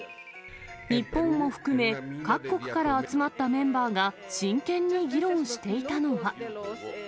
日本も含め、各国から集まったメンバーが、真剣に議論していたのは。